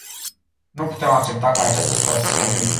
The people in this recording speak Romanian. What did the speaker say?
Nu putem accepta ca această situație să continue.